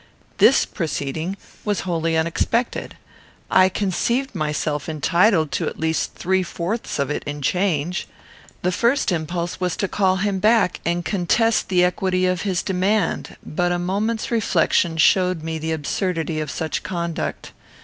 This proceeding was wholly unexpected. I conceived myself entitled to at least three fourths of it in change. The first impulse was to call him back, and contest the equity of his demand; but a moment's reflection showed me the absurdity of such conduct.